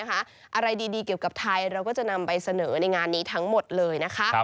อะไรดีเกี่ยวกับไทยเราก็จะนำไปเสนอในงานนี้ทั้งหมดเลยนะคะ